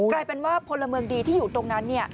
กลายเป็นว่าพลเมืองดีที่อยู่ตรงนั้น